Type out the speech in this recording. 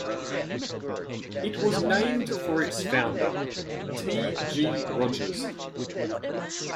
It was named for its founder, T. G. Rogers.